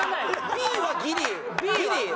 Ｂはギリ。